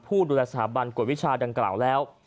ผู้โดยสถาบันวิชาดังกล่าวแล้ว